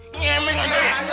iya emang ya